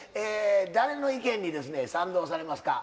誰の意見にですね賛同されますか？